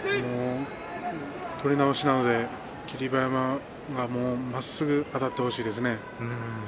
取り直しなので霧馬山まっすぐあたってほしいですね。